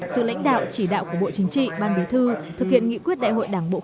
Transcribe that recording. sự lãnh đạo chỉ đạo của bộ chính trị ban bí thư thực hiện nghị quyết đại hội đảng bộ